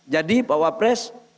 jadi pak wapres